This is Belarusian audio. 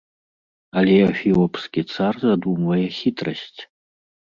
Але эфіопскі цар задумвае хітрасць.